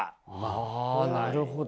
あなるほど。